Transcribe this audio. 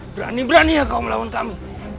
berani berani ya kau melawan kami